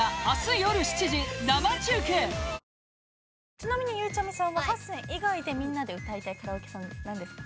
ちなみにゆうちゃみさんは８選以外で「みんなで歌いたいカラオケ曲」何ですか？